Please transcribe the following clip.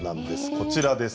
こちらです。